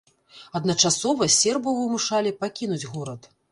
Адначасова сербаў вымушалі пакінуць горад.